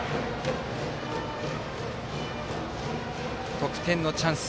得点のチャンス